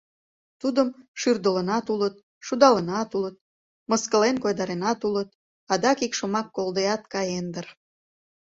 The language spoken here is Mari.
Тудым шӱрдылынат улыт, шудалынат улыт, мыскылен-койдаренат улыт, адак ик шомак колдеат каен дыр...